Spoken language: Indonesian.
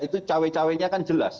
itu cawek caweknya kan jelas